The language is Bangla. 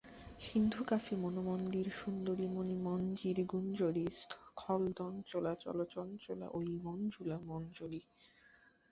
সিন্ধুকাফি মনোমন্দিরসুন্দরী, মণিমঞ্জীরগুঞ্জরী, স্খলদঞ্চলা চলচঞ্চলা অয়ি মঞ্জুলা মঞ্জরী।